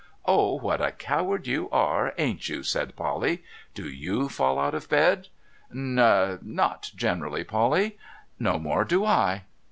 ' Oh, what a coward you are, ain't you ?' said Polly. ' Do you fall out of bed ?'' N — not generally, Polly.' ' No more do I.'